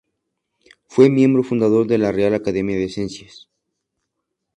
Fue miembro fundador de la Real Academia de Ciencias.